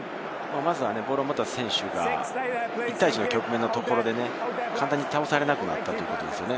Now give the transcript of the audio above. ボールを持った選手が１対１の局面で簡単に倒されなくなったということですね。